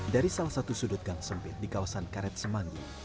dari salah satu sudut gang sempit di kawasan karet semanggi